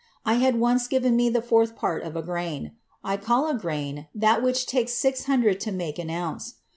I had once given me the fourth part of a grain. I call a grain that which takes six hundred to make an ounce.